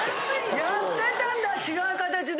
やってたんだ違う形で。